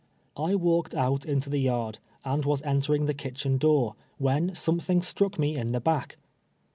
I walked out into the yard, and was entering the kitchen door, when something struck me in the back.